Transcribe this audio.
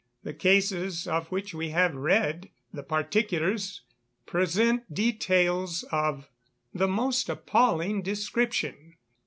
The cases of which we have read the particulars present details of the most appalling description.